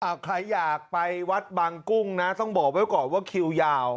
เอาใครอยากไปวัดบางกุ้งนะต้องบอกไว้ก่อนว่าคิวยาว